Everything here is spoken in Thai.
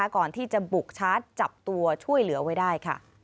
ก่อนที่จะบุกชาร์จจับตัวช่วยเหลือไว้ได้ค่ะ